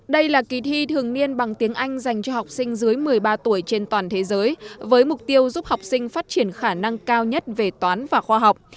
đây là kỳ thi thường niên bằng tiếng anh dành cho học sinh dưới một mươi ba tuổi trên toàn thế giới với mục tiêu giúp học sinh phát triển khả năng cao nhất về toán và khoa học